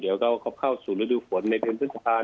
เดี๋ยวเข้าสู่ฤดูฝนในปริงศิษย์ศาสตร์